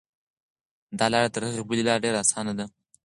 دا لاره تر هغې بلې لارې ډېره اسانه ده.